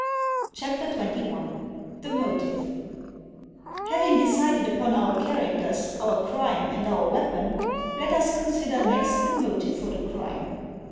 CHAPTER XXI THE MOTIVE Having decided upon our characters, our crime, and our weapon, let us consider next the motive for the crime.